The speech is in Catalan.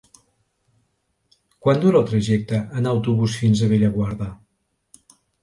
Quant dura el trajecte en autobús fins a Bellaguarda?